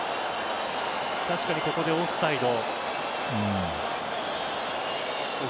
確かに、ここでオフサイド。